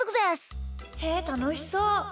へえたのしそう！